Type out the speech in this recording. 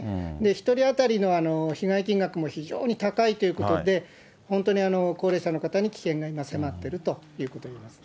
１人当たりの被害金額も非常に高いということで、本当に高齢者の方に危険が今、迫っているということになりますね。